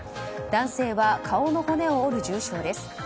男性は顔の骨を折る重傷です。